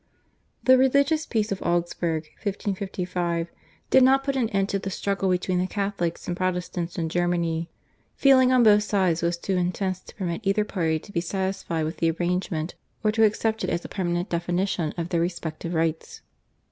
The Religious Peace of Augsburg (1555) did not put an end to the struggle between the Catholics and Protestants in Germany. Feeling on both sides was too intense to permit either party to be satisfied with the arrangement or to accept it as a permanent definition of their respective rights.